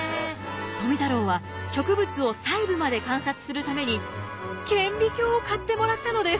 富太郎は植物を細部まで観察するために顕微鏡を買ってもらったのです。